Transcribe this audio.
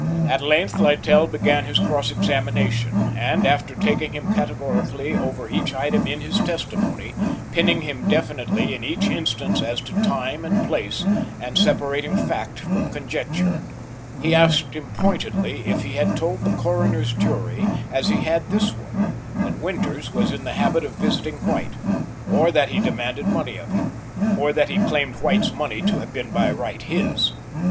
At length Littell began his cross examination, and after taking him categorically over each item in his testimony, pinning him definitely in each instance as to time and place and separating fact from conjecture, he asked him pointedly if he had told the Coroner's jury as he had this one that Winters was in the habit of visiting White; or that he demanded money of him, or that he claimed White's money to have been by right his.